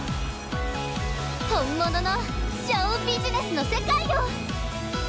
本物のショウビジネスの世界を！